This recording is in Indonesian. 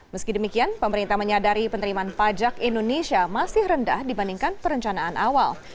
meski demikian pemerintah menyadari penerimaan pajak indonesia masih rendah dibandingkan perencanaan awal